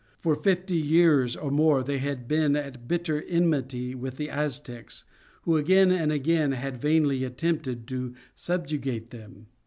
For fifty years or more they had been at bitter enmity with the Aztecs, who again and again had vainly attempted to subjugate them.